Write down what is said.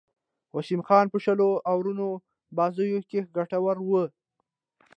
وسیم خان په شلو آورونو بازيو کښي ګټور وو.